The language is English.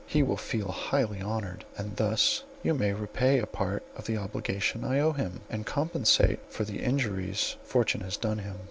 He will feel highly honoured, and thus you may repay a part of the obligation I owe him, and compensate for the injuries fortune has done him."